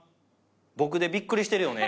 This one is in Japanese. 僕でびっくりしてるよね。